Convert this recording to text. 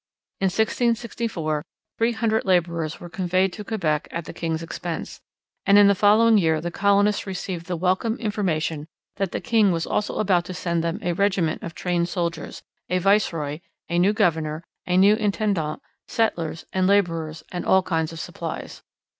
In 1664 three hundred labourers were conveyed to Quebec at the king's expense, and in the following year the colonists received the welcome information that the king was also about to send them a regiment of trained soldiers, a viceroy, a new governor, a new intendant, settlers and labourers, and all kinds of supplies.